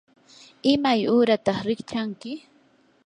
¿imay uurataq rikchanki?